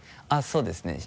そうですね。